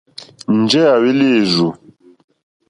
Njɛ̂ à hwélí èrzù.